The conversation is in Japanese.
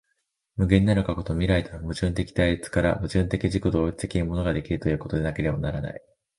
無限なる過去と未来との矛盾的対立から、矛盾的自己同一的に物が出来るということでなければならない。